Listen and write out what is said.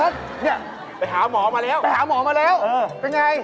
อ้าวนานนี่ไปหาหมอมาแล้วไปหาหมอมาแล้วเป็นอย่างไร